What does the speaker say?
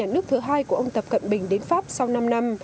gấp nhà nước thứ hai của ông tập cận bình đến pháp sau năm năm